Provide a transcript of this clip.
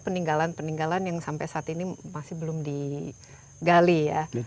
peninggalan peninggalan yang sampai saat ini masih belum digali ya